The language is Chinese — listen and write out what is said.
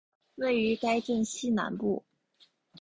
位于该镇西南部。